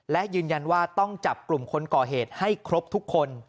และยืนยันว่าต้องจับกลุ่มคนก่อเหตุให้ครบทุกคน